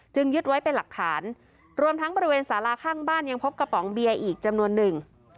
ยึดไว้เป็นหลักฐานรวมทั้งบริเวณสาราข้างบ้านยังพบกระป๋องเบียร์อีกจำนวนหนึ่ง